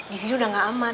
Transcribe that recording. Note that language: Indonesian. di sini sudah tidak aman